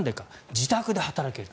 自宅で働ける。